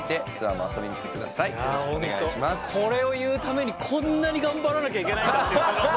ホントこれを言うためにこんなに頑張らなきゃいけないんだっていう。